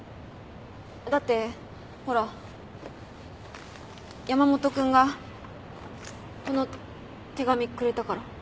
だってほら山本君がこの手紙くれたから。